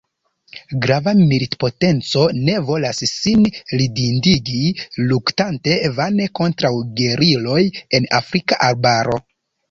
Grava militpotenco ne volas sin ridindigi, luktante vane kontraŭ geriloj en afrika arbaro.